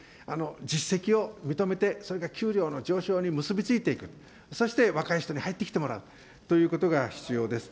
実績を認めて、それが給料の上昇に結び付いていく、そして若い人に入ってきてもらうということが必要です。